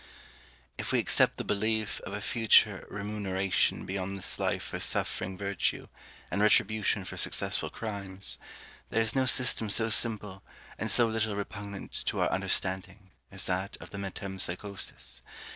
If we except the belief of a future remuneration beyond this life for suffering virtue, and retribution for successful crimes, there is no system so simple, and so little repugnant to our understanding, as that of the metempsychosis.